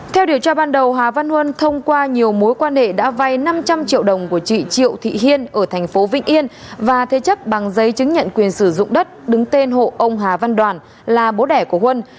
theo điều tra ban đầu hà văn huân thông qua nhiều mối quan hệ đã vay năm trăm linh triệu đồng của chị triệu thị hiên ở thành phố vĩnh yên và thế chấp bằng giấy chứng nhận quyền sử dụng đất đứng tên hộ ông hà văn đoàn là bố đẻ của huân